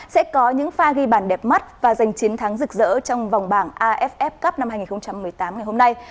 sẽ có những pha ghi bản đẹp mắt và giành chiến thắng rực rỡ trong vòng bảng aff cup năm hai nghìn một mươi tám ngày hôm nay